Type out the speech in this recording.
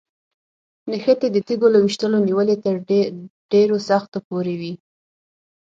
نښتې د تیږو له ویشتلو نیولې تر ډېرو سختو پورې وي.